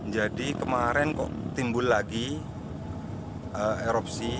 jadi kemarin kok timbul lagi erupsi